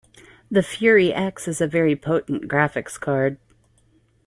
The Fury X is a very potent graphics card.